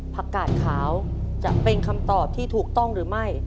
ผักกาดขาวจะเป็นคำตอบที่ถูกต้องหรือไม่